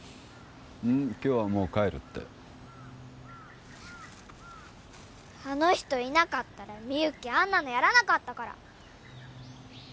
今日はもう帰るってあの人いなかったらみゆきあんなのやらなかったから！